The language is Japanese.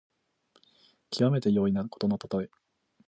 きわめて容易なことのたとえ。